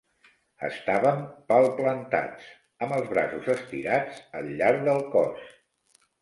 Estàvem palplantats, amb els braços estirats al llarg del cos.